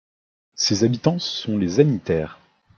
Ses habitants sont les Agnitaires.